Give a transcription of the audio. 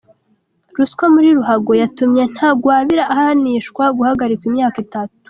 Ruswa muri ruhago yatumye Ntagwabira ahanishwa guhagarikwa imyaka itanu